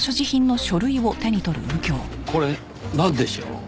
これなんでしょう？